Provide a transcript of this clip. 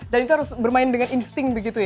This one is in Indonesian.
dan itu harus bermain dengan insting begitu ya